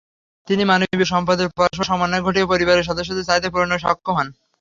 তিনি মানবীয় সম্পদের পরস্পর সমন্বয় ঘটিয়ে পরিবারের সদস্যদের চাহিদা পূরণে সক্ষম হন।